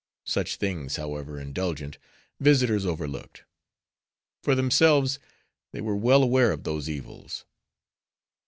Such things, however, indulgent visitors overlooked. For themselves, they were well aware of those evils.